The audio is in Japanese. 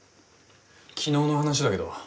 昨日の話だけど。